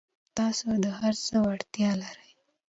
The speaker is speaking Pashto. تاسو د هر څه وړتیا لرئ.